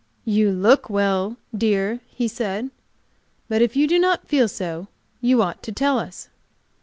"You look well, dear," he said. "But if you do not feel so you ought to tell us.